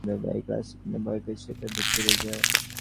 পানি একগ্লাস কিন্তু ভয় পেয়েছি এটাতে ডুবে যাবো।